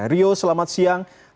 rio selamat siang